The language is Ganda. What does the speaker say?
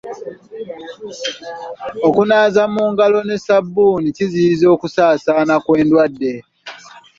Okunaaba mu ngalo ne sabbuuni kiziyiza okusaasaana kw'endwadde.